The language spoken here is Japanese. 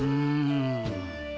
うん。